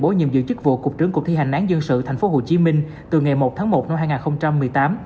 bố nhiệm dự chức vụ cục trưởng cục thi hành án dân sự thành phố hồ chí minh từ ngày một tháng một năm hai nghìn một mươi tám